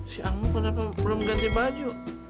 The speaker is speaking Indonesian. si angmu kenapa belum ganti baju